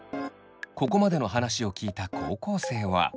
ここまでの話を聞いた高校生は。